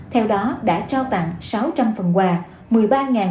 theo đó đã trao tặng sáu trăm linh phần quà